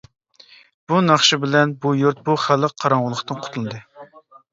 بۇ ناخشا بىلەن بۇ يۇرت بۇ خەلق قاراڭغۇلۇقتىن قۇتۇلدى.